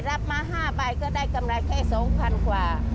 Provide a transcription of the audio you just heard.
รับมา๕ใบก็ได้กำไรแค่๒๐๐๐กว่า